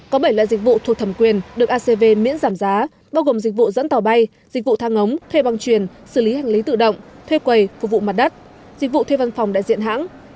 có bảy loại dịch vụ thuộc thẩm quyền được acv miễn giảm giá bao gồm dịch vụ dẫn tàu bay dịch vụ thang ống thuê băng truyền xử lý hành lý tự động thuê quầy phục vụ mặt đất dịch vụ thuê văn phòng đại diện hãng